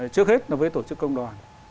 trước hết nó với tổ chức công đoàn